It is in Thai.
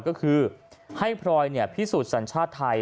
ก็คือให้พรอยพิสูจน์สัญชาติไทย